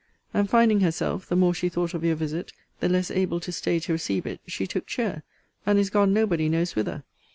And finding herself, the more she thought of your visit, the less able to stay to receive it, she took chair, and is gone nobody knows whither.